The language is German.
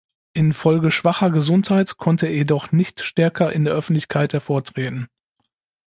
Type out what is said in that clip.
Infolge schwacher Gesundheit konnte er jedoch nicht stärker in der Öffentlichkeit hervortreten.